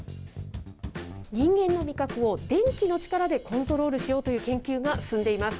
人間の味覚を電気の力でコントロールしようという研究が進んでいます。